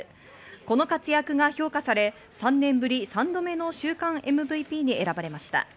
この活躍が評価され３年ぶり３度目の週間ＭＶＰに選ばれました。